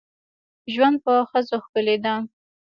ژوند په ښځو ښکلی ده.